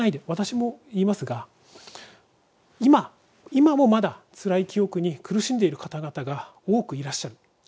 私も言いますが今もまだつらい記憶に苦しんでる方々が多くいらっしゃる。